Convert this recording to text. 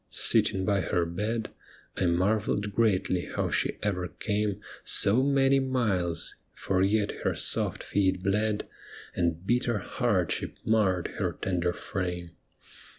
Sitting by her bed, I marvelled greatly how she ever came So many miles, for yet her soft feet bled, And bitter hardship marred her tender frame.